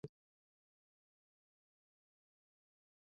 এর ফলে hotel motel মালিকসহ পর্যটন সংশ্লিষ্ট ব্যবসায়ীরা ক্ষতির আশঙ্কা করছেন।